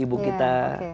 yang ibu kita